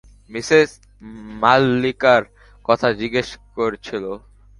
Mrs মাললিকার কথা জিজ্ঞেস করছিল।